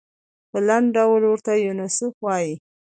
په لنډ ډول ورته یونیسف وايي.